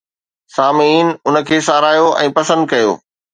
سامعين ان کي ساراهيو ۽ پسند ڪيو